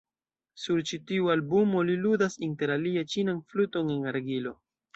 Sur ĉi tiu albumo li ludas inter alie ĉinan fluton el argilo.